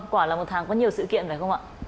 quả là một tháng có nhiều sự kiện phải không ạ